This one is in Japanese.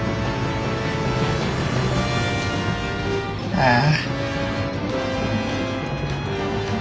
ああ。